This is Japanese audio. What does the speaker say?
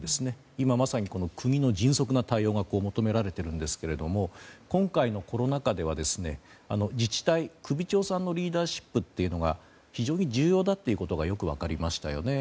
今まさに、国の迅速の対応が求められているんですけども今回のコロナ禍では自治体、首長さんのリーダーシップが非常に重要だということがよく分かりましたよね。